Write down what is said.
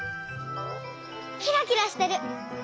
キラキラしてる。